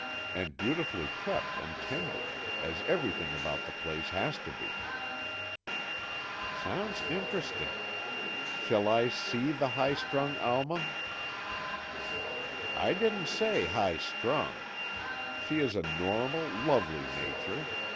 And beautifully kept and tended, as everything about the place has to be." "Sounds interesting. Shall I see the high strung Alma?" "I didn't say high strung. She is a normal, lovely nature.